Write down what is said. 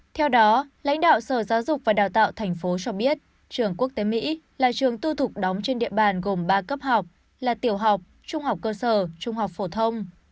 theo đó lãnh đạo sở giáo dục và đào tạo thành phố cho biết trường quốc tế mỹ là trường tư thục đóng trên địa bàn gồm ba cấp học là tiểu học trung học cơ sở trung học phổ thông